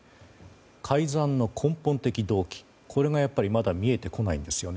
改ざんの根本的動機がまだ見えてこないんですね。